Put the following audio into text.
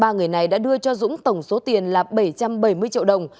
ba người này đã đưa cho dũng tổng số tiền là bảy trăm bảy mươi triệu đồng